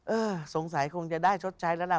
เออสงสัยคงจะได้ชดใช้แล้วล่ะ